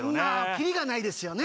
キリがないですよね